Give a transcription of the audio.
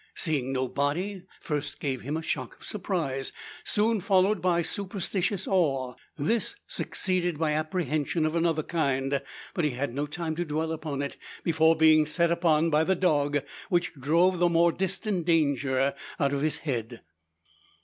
Seeing no body first gave him a shock of surprise; soon followed by superstitious awe; this succeeded by apprehension of another kind. But he had no time to dwell upon it before being set upon by the dog, which drove the more distant danger out of his head.